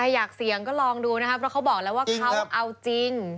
อยากเสี่ยงก็ลองดูนะครับเพราะเขาบอกแล้วว่าเขาเอาจริง